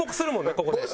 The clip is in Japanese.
ここで。